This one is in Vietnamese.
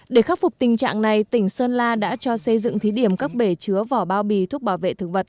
để khắc phục tình trạng này tỉnh sơn la đã cho xây dựng thí điểm các bể chứa vỏ bao bì thuốc bảo vệ thực vật